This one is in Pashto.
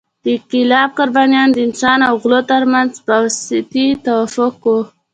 د انقلاب قربانیان د انسان او غلو تر منځ فاوستي توافق وو.